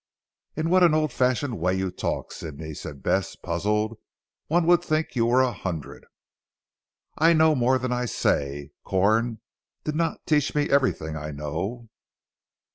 "In what an old fashioned way you talk Sidney," said Bess puzzled, "one would think you were a hundred." "I know more than I say. Corn did not teach me everything I know!